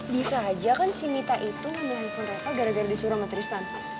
bisa aja kan si mita itu nge handsome reva gara gara disuruh sama tristan